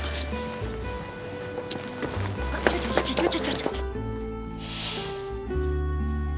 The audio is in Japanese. ちょちょちょちょ！